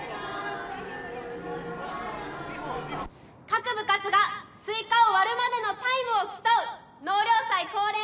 各部活がスイカを割るまでのタイムを競う納涼祭恒例